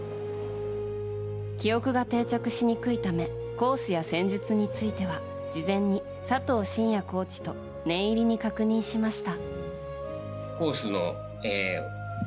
記憶が定着しにくいためコースや戦術については事前に佐藤信哉コーチと念入りに確認しました。